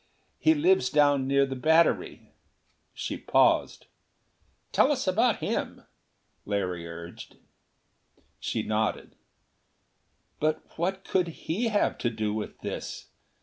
He lives down near the Battery." She paused. "Tell us about him," Larry urged. She nodded. "But what could he have to do with this?